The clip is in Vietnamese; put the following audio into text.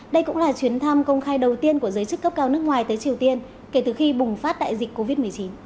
đây cũng là chuyến thăm công khai đầu tiên của giới chức cấp cao nước ngoài tới triều tiên kể từ khi bùng phát đại dịch covid một mươi chín